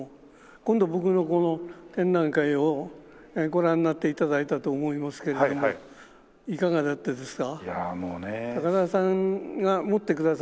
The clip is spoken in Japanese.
今度僕のこの展覧会をご覧になって頂いたと思いますけれどもいかがだったですか？